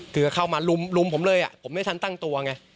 คือเข้ามาลุมผมเลยผมไม่ทันตั้งตัวไง